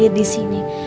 tidak hadir di sini